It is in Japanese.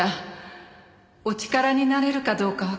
お力になれるかどうかわかりませんが。